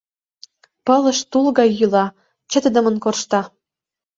Пылыш тул гай йӱла, чытыдымын коршта.